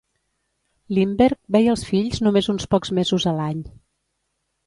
Lindbergh veia els fills només uns pocs mesos a l'any.